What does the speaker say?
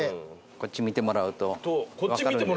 こっち見てもらうとわかるんですけど。